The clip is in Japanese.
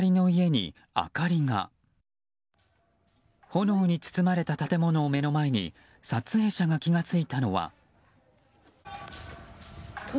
炎に包まれた建物を目の前に撮影者が気が付いたのは。